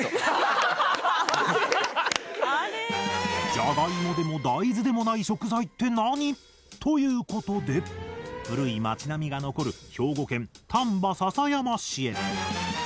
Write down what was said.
じゃがいもでも大豆でもない食材って何？ということで古い町並みが残る兵庫県丹波篠山市へ。